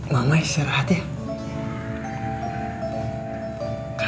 mama istirahat ya